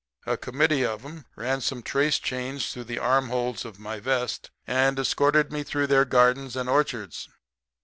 A committee of 'em ran some trace chains through the armholes of my vest, and escorted me through their gardens and orchards.